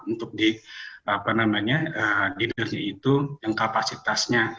untuk di dinner nya itu yang kapasitasnya